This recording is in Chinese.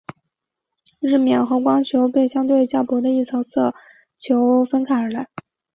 日冕和光球被相对较薄的一层色球分隔开来。